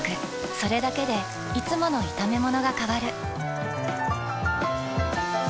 それだけでいつもの炒めものが変わる。